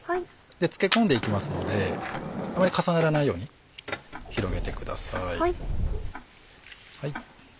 漬け込んでいきますのであまり重ならないように広げてください。